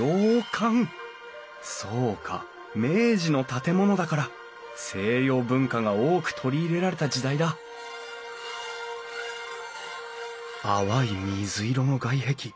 そうか明治の建物だから西洋文化が多く取り入れられた時代だ淡い水色の外壁。